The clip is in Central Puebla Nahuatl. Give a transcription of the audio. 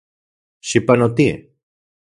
Xipanotie.